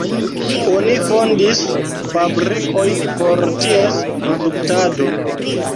Oni fondis fabrikojn por ties produktado.